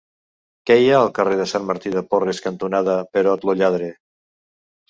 Què hi ha al carrer Sant Martí de Porres cantonada Perot lo Lladre?